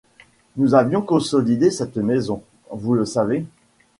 Nous avions consolidé cette maison, vous le savez.